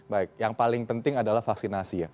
baik yang paling penting adalah vaksinasi ya